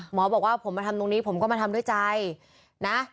บอกว่าผมมาทำตรงนี้ผมก็มาทำด้วยใจนะ